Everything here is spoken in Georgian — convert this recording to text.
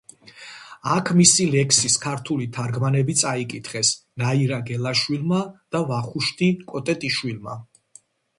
აქ მისი ლექსის ქართული თარგმანები წაიკითხეს ნაირა გელაშვილმა და ვახუშტი კოტეტიშვილმა.